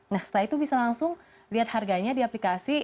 nah setelah itu bisa langsung lihat harganya di aplikasi